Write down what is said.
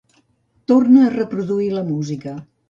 Torna a reproduir la música.